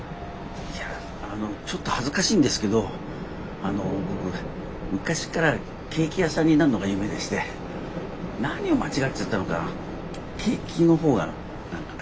いやあのちょっと恥ずかしいんですけどあの僕昔からケーキ屋さんになるのが夢でして何を間違っちゃったのか刑期の方が何か長くなっちゃいましてね